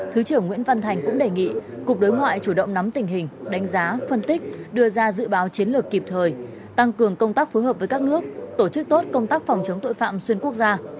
thứ trưởng nguyễn văn thành cũng đề nghị cục đối ngoại chủ động nắm tình hình đánh giá phân tích đưa ra dự báo chiến lược kịp thời tăng cường công tác phối hợp với các nước tổ chức tốt công tác phòng chống tội phạm xuyên quốc gia